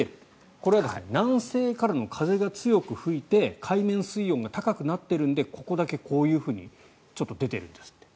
これは南西からの風が強く吹いて海面水温が高くなっているのでここだけこういうふうにちょっと出てるんです。